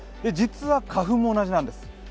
実は花粉も同じなんです。